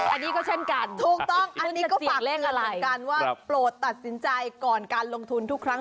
อันนี้ก็เช่นกันถูกต้องอันนี้ก็ฝากเลขกันเหมือนกันว่าโปรดตัดสินใจก่อนการลงทุนทุกครั้ง